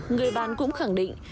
người bán cũng khẳng định